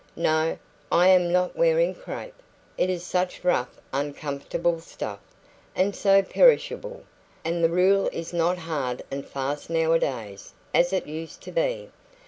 No, I am not wearing crape; it is such rough, uncomfortable stuff, and so perishable; and the rule is not hard and fast nowadays, as it used to be.